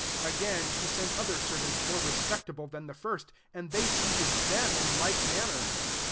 36 Again he sent other servants more respecta ble than the first, and they treated them in like manner.